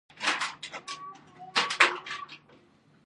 د مالکیت حقونو خوندیتوب په سکتور کې انقلاب ته لار هواره کړه.